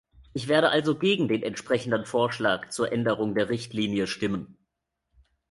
Ich werde also gegen den entsprechenden Vorschlag zur Änderung der Richtlinie stimmen.